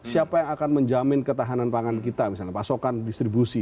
siapa yang akan menjamin ketahanan pangan kita misalnya pasokan distribusi